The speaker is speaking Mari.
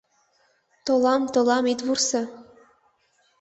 Толам, толам, ит вурсо...